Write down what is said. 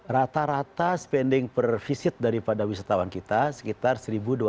rata rata spending per visit daripada wisatawan kita sekitar seribu dua ratus delapan belas usd